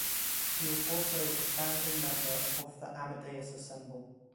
He was also a founding member of the Amadeus Ensemble.